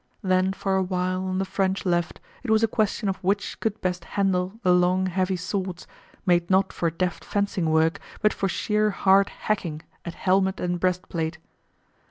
Then for a while on the French left it was a question of which could best handle the long, heavy swords, made not for deft fencing work, but for sheer hard hacking at helmet and breastplate.